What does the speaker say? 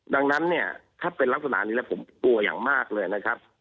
ดังนั้นเนี่ยถ้าเป็นลักษณะนี้แล้วผมกลัวอย่างมากเลยนะครับ